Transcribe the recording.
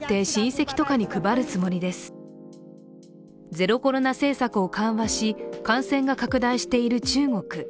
ゼロコロナ政策を緩和し、感染が拡大している中国。